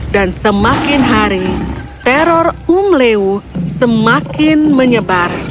dan semakin hari teror umleu semakin menyebar